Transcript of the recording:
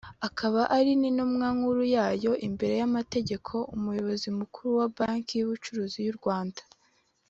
akaba ari n’intumwa nkuru yayo imbere y’amategeko ; Umuyobozi Mukuru wa Banki y’Ubucuruzi y’u Rwanda